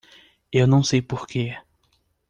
Eu não sei porque.